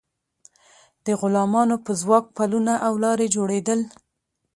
د غلامانو په ځواک پلونه او لارې جوړیدل.